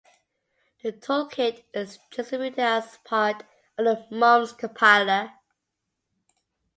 The toolkit is distributed as part of the Mumps Compiler.